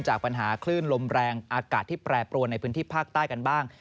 จากปัญหาคลื่นลมแรงอากาศที่แปรปรวนในพื้นที่ภาคใต้กันบ้าง